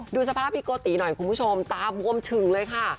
ดูสภาพพี่โกติหน่อยคุณผู้ชมตาบวมฉึ่งเลยค่ะ